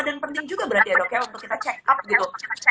dan penting juga berarti ya dok ya untuk kita check up gitu